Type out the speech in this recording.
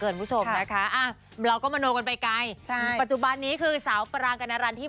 คุณผู้ชมค่ะช่วงนี้อยากจะนั่งพับเพียบคุณผู้ชมค่ะช่วงนี้อยากจะนั่งพับเพียบ